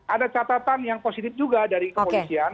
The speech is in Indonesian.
ada catatan yang positif juga dari kepolisian